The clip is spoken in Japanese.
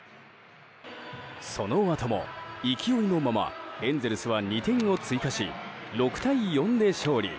そのあとも、勢いのままエンゼルスは２点を追加し６対４で勝利。